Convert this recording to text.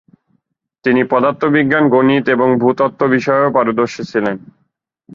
তিনি পদার্থবিজ্ঞান, গণিত এবং ভূ-তত্ত্ব বিষয়েও পারদর্শী ছিলেন।